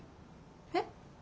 えっ？